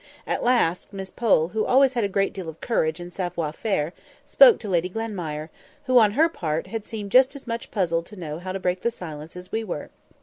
At last, Miss Pole, who had always a great deal of courage and savoir faire, spoke to Lady Glenmire, who on her part had seemed just as much puzzled to know how to break the silence as we were.